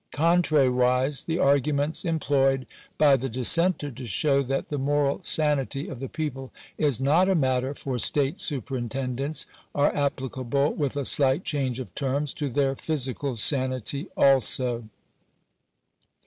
Contrariwise, the arguments em ployed by the dissenter to show that the moral sanity of the people is not a matter for state superintendence, are applicable, with a slight change of terms, to their physical sanity also.